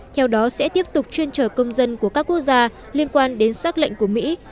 theo đó sẽ tiếp tục chuyên trở công dân của các quốc gia liên quan đến xác lệnh của mỹ